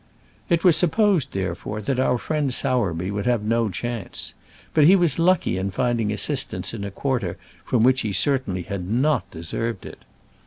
It was supposed, therefore, that our friend Sowerby would have no chance; but he was lucky in finding assistance in a quarter from which he certainly had not deserved it.